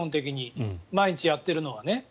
毎日やっているのは。